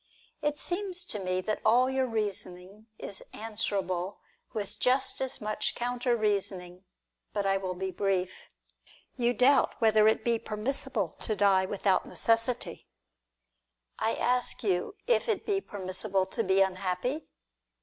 It seems to me that all your reasoning is answerable with just as much counter reasoning^. But I will be brief. You doubt whether it be permissible to die without PLOTINUS AND PORPHYRIUS. 189 necessity. I ask you if it be permissible to be unhappy